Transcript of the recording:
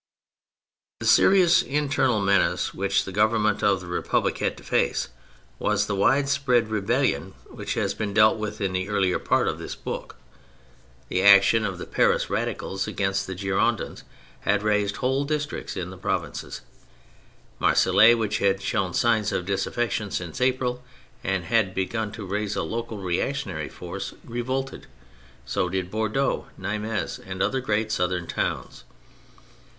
The serious internal menace which the Government of the Republic had to face was the widespread rebellion which has been dealt with in the earlier part of this book. The 182 THE FRENCH REVOLUTION action of the Paris Radicals against the Girondins had raised whole districts in the provinces. Marseilles, which had shown signs of disaffection since April, and had begun to raise a local reactionary force, revolted. So did Bordeaux, Nimes, and other great southern towns.